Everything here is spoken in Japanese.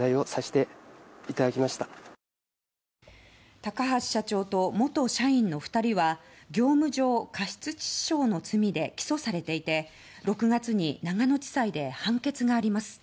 高橋社長と元社員の２人は業務上過失致死傷の罪で起訴されていて６月に長野地裁で判決があります。